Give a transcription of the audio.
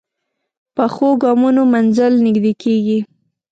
پخو ګامونو منزل نږدې کېږي